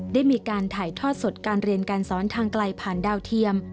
ได้มีการถ่ายทอดสดการเรียนการสอนทางไกลผ่านดาวเทียม